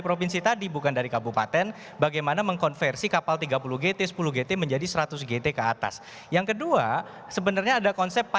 provinsi tadi bukan dari kabupaten bagaimana mengkonversi kapal tiga puluh gt sepuluh gt menjadi seratus gt keatas